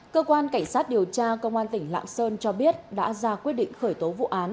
cơ quan cảnh sát điều tra công an tỉnh lạng sơn cho biết đã ra quyết định khởi tố vụ án